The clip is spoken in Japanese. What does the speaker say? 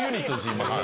今は。